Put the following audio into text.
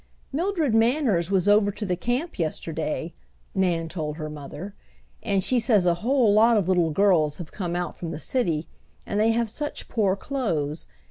"Mildred Manners was over to the camp yesterday," Nan told her mother, "and she says a whole lot of little girls have come out from the city, and they have such poor clothes.